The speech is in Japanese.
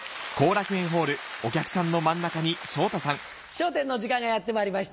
『笑点』の時間がやってまいりました。